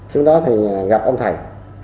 trước đó thì gặp ông thầy